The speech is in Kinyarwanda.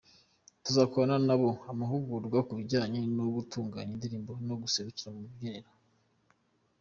Tuzakorana na bo amahugurwa mu bijyanye no gutunganya indirimbo no guseruka ku rubyiniro…”.